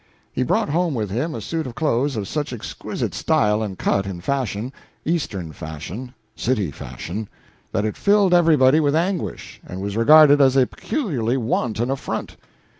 He brought home with him a suit of clothes of such exquisite style and cut and fashion, Eastern fashion, city fashion, that it filled everybody with anguish and was regarded as a peculiarly wanton affront.